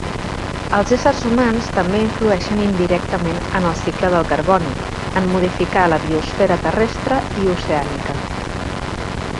Els éssers humans també influeixen indirectament en el cicle del carboni en modificar la biosfera terrestre i oceànica.